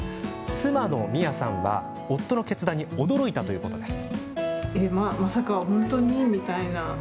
妻の、みやさんは夫の決断に驚いたそうです。